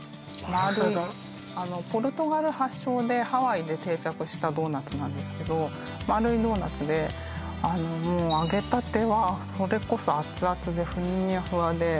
丸いポルトガル発祥でハワイで定着したドーナツなんですけど丸いドーナツで揚げたてはそれこそ熱々でフニャふわで